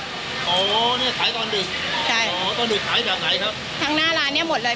เขาเนี้ยขายตอนดึกใช่อ๋อตอนดึกขายแบบไหนครับทั้งหน้าร้านเนี้ยหมดเลย